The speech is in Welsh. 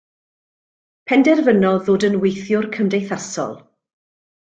Penderfynodd ddod yn weithiwr cymdeithasol.